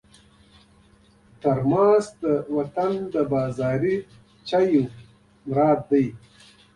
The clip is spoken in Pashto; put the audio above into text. ترموز د وطن د بازاري چایو یاد دی.